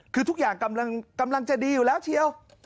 คือทุกอย่างกำลังจะดีอยู่แล้วเชียว